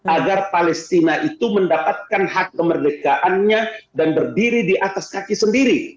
agar palestina itu mendapatkan hak kemerdekaannya dan berdiri di atas kaki sendiri